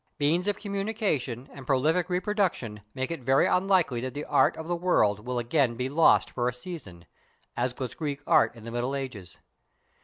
Means of communication and prolific reproduction make it very unlikely that the art of the world will again be lost for a season, as was Greek art in the Middle Ages.